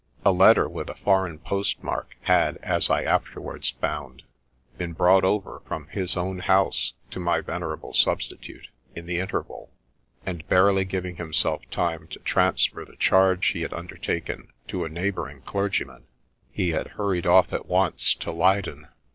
A letter, with a foreign post mark, had, as I afterwards found, been brought over from his own house to my venerable substitute in the interval, and barely giving him self time to transfer the charge he had undertaken to a neigh bouring clergyman, he had hurried off at once to Leyden.